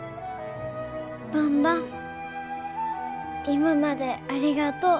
今までありがとう。